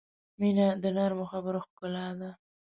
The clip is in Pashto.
• مینه د نرمو خبرو ښکلا ده.